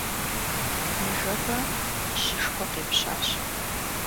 Ныжэбэ жьышхуэ къепщащ.